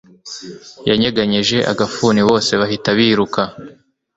Yanyeganyeje agafuni bose bahita biruka